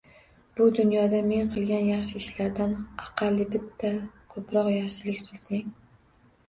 Bu dunyoda men qilgan yaxshi ishlardan aqalli bitta ko’proq yaxshilik qilsang.